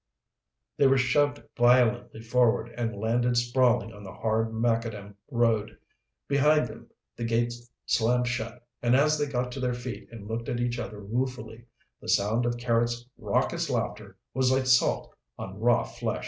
They were shoved violently forward and landed sprawling on the hard macadam road. Behind them the gate slammed shut, and as they got to their feet and looked at each other ruefully, the sound of Carrots' raucous laughter was like salt on raw flesh.